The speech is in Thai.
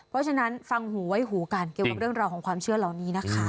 เพราะฉะนั้นฟังหูไว้หูกันเกี่ยวกับเรื่องราวของความเชื่อเหล่านี้นะคะ